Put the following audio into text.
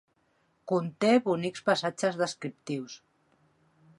Conté bonics passatges descriptius.